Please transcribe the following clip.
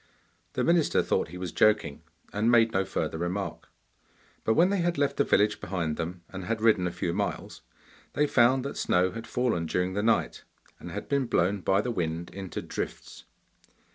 The minister thought he was joking, and made no further remark. But when they had left the village behind them, and had ridden a few miles, they found that snow had fallen during the night, and had been blown by the wind into drifts.